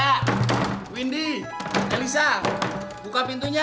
pak windy elisa buka pintunya